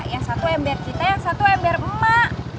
yang satu ember kita yang satu ember emak